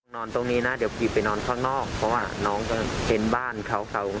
นอนตรงนี้นะเดี๋ยวกรีบไปนอนข้างนอกเพราะว่าน้องก็เห็นบ้านเขาเขา